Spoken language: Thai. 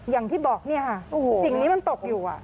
อย่างที่บอกเนี่ยค่ะสิ่งนี้มันตกอยู่